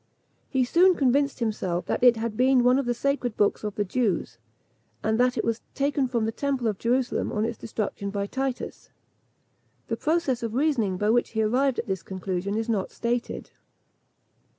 He soon convinced himself that it had been one of the sacred books of the Jews, and that it was taken from the temple of Jerusalem on its destruction by Titus. The process of reasoning by which he arrived at this conclusion is not stated.